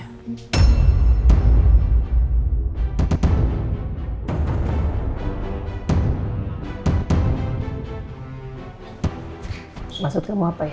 tante nelioni kertas dari buku halaman mamanya